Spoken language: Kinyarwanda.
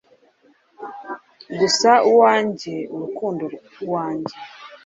Gusa uwanjye urukundo uwanjye